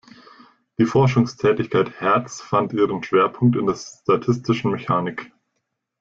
Die Forschungstätigkeit Hertz' fand ihren Schwerpunkt in der Statistischen Mechanik.